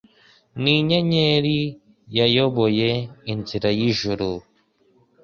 Ni inyenyeri yayoboye inzira y' ljuru,